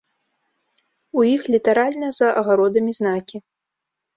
У іх літаральна за агародамі знакі.